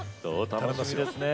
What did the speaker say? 楽しみですねえ。